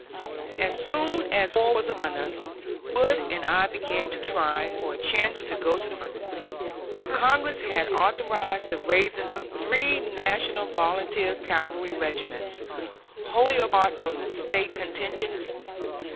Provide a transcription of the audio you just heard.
As soon as war was upon us, Wood and I began to try for a chance to go to the front. Congress had authorized the raising of three National Volunteer Cavalry regiments, wholly apart from the State contingents.